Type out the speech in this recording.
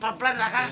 pelan pelan raka